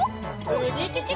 ウキキキ！